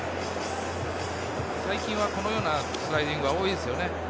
最近はこのようなスライディングが多いですよね。